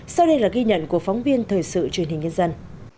sau đây là ghi nhận của phóng viên thời sự truyền hình nhân dân